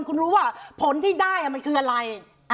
คุณรู้ว่าผลที่ได้มันคืออะไร